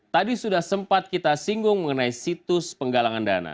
tadi sudah sempat kita singgung mengenai situs penggalangan dana